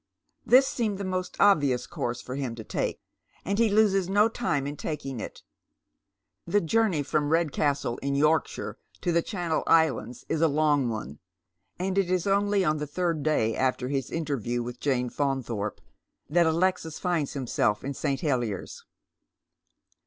This seemed the mot't obvious course for him to take, and he loses no time in taking it. The journey from Redcastle in Yorkshire to the Channel Islands is a long one, and it is only on the t lird du^ 150 Dead Men's Shoes. after his interview with Jane Faunthorpe that Alexis finds himself at St. Heliers.